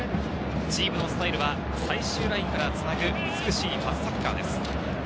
チームのスタイルは最終ラインからつなぐ美しいパスサッカーです。